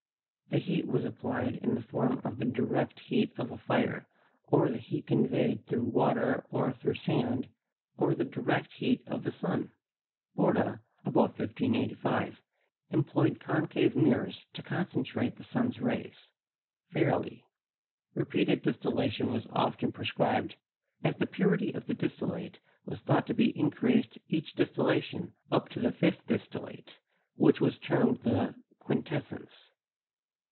The heat was applied in the form of the direct heat of a fire, or the heat conveyed through water or through sand, or the direct heat of the sun. Porta, about 1585, em ployed concave mirrors to concentrate the sun's rays (Fairley). Repeated distillation was often prescribed, as the purity of the distillate was thought to be increased by each distillation up to the fifth distillate, which was termed the '"quintessence."